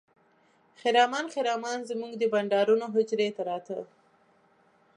خرامان خرامان زموږ د بانډارونو حجرې ته راته.